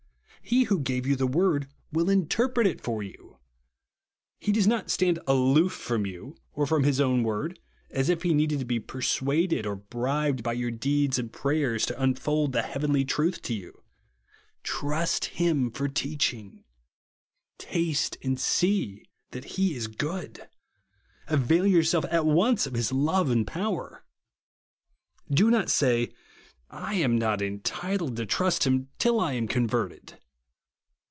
He who gave you the word will interpret it for you. He does not stand aloof from you or from his own word, as if he needed to be persuaded, or bribed by your deeds and prayers, to un fold the heavenly truth to you. Trust him for teaching. Taste and see that he is good. Avail yourself at once of his love and powder. Do not say I am not entitled to trust him till I am converted.